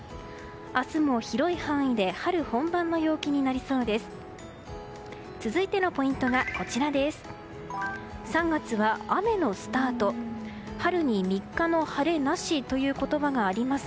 明日も広い範囲で春本番の陽気になりそうです。